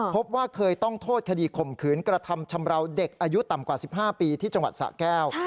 พบว่าเคยต้องโทษคดีข่มขืนกระทำชำราวเด็กอายุต่ำกว่า๑๕ปีที่จังหวัดสะแก้ว